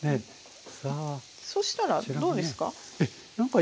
そしたらどうですか？